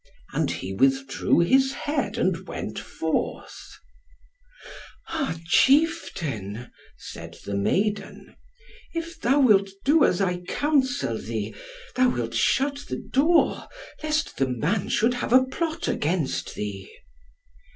And he withdrew his head, and went forth, "Ha! chieftain," said the maiden, "if thou wilt do as I counsel thee, thou wilt shut the door, lest the man should have a plot against thee."